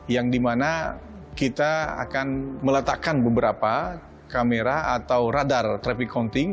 yang dimana kita akan meletakkan beberapa kamera atau radar traffic counting